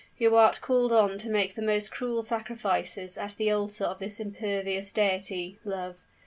who art called on to make the most cruel sacrifices at the altar of this imperious deity love!